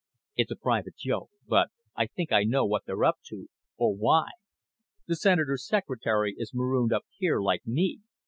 "It's a private joke. But I think I know what they're up to or why. The Senator's secretary is marooned up here, like me.